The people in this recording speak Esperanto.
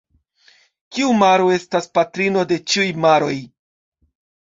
Kiu maro estas patrino de ĉiuj maroj?